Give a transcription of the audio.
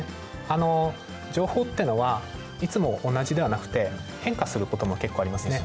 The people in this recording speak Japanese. あの情報ってのはいつも同じではなくて変化することも結構ありますね。